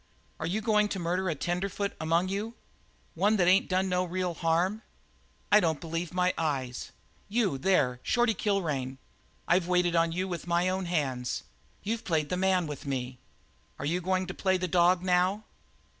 "Are you goin' to murder a tenderfoot among you? One that ain't done no real harm? I don't believe my eyes. You, there, Shorty Kilrain, I've waited on you with my own hands. You've played the man with me. Are you goin' to play the dog now?